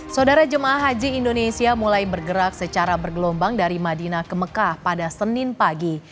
saudara jemaah haji indonesia mulai bergerak secara bergelombang dari madinah ke mekah pada senin pagi